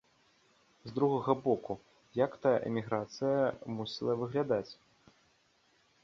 З другога боку, як тая эміграцыя мусіла выглядаць?